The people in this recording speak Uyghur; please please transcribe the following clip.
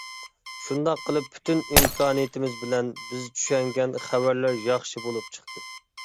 شۇنداق قىلىپ پۈتۈن ئىمكانىيىتىمىز بىلەن بىز چۈشەنگەن خەۋەرلەر ياخشى بولۇپ چىقتى.